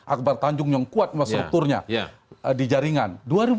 akbar tanjung yang kuat strukturnya di jaringan